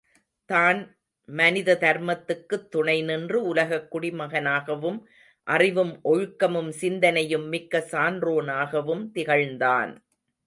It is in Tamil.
தான் மனித தர்மத்துக்குத் துணை நின்று உலகக் குடிமகனாகவும், அறிவும் ஒழுக்கமும் சிந்தனையும் மிக்க சான்றோனாகவும் திகழ்ந்தான்.